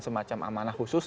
semacam amanah khusus